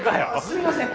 すみません。